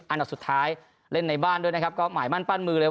อันดับสุดท้ายเล่นในบ้านด้วยนะครับก็หมายมั่นปั้นมือเลย